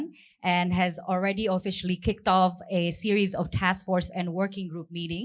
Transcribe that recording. dan sudah secara ofisial menutup sejumlah pertemuan dan perjumpaan kerjaan